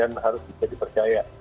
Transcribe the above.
dan harus bisa dipercaya